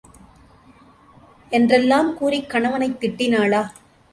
என்றெல்லாம் கூறிக் கணவனைத் திட்டினாளா?